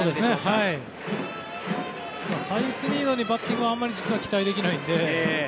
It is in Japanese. サイスニードにバッティングは実は期待できないので。